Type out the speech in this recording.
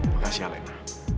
makasih ya lena